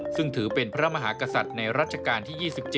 ซึ่งถือเป็นพระมหากษัตริย์ในรัชกาลที่๒๗